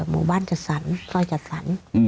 มุบันสรรค์สร้อยจัดสรรค์